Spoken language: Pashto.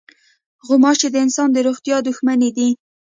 غوماشې د انسان د روغتیا دښمنې دي.